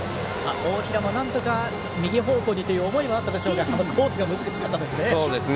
大平もなんとか右方向にという思いもあったでしょうがコースが難しかったんですね。